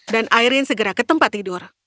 dan airin segera ke tempat tidur